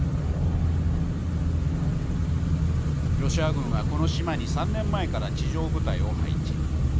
ロシア軍はこの島に３年前から地上部隊を配置。